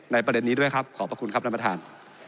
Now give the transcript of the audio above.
ประเด็นนี้ด้วยครับขอบพระคุณครับท่านประธาน